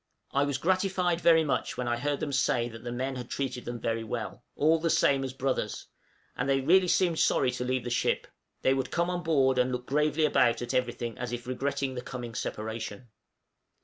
I was gratified very much when I heard them say that the men had treated them very well "all the same as brothers;" and they really seemed sorry to leave the ship; they would come on board and look gravely about at everything as if regretting the coming separation.